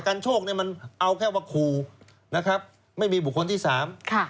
โชคเนี่ยมันเอาแค่ว่าขู่นะครับไม่มีบุคคลที่สามค่ะ